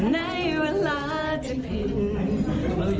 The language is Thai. ในเวลาที่ผิด